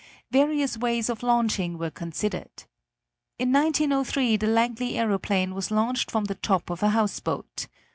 Various ways of launching were considered. In 1903 the Langley aeroplane was launched from the top of a houseboat.